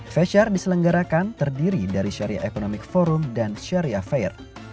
fesyar diselenggarakan terdiri dari syariah economic forum dan syariah fair